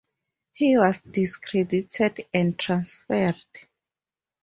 He was discredited and transferred.